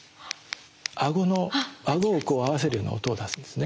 顎を合わせるような音を出すんですね。